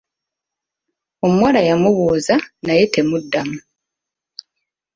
Omuwala yamubuuza naye temuddamu.